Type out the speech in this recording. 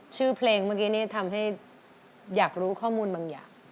ชื่อเพลงเมื่อกี้นี้ทำให้อยากรู้ข้อมูลบางอย่าง